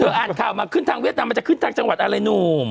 อ่านข่าวมาขึ้นทางเวียดนามมันจะขึ้นทางจังหวัดอะไรหนุ่ม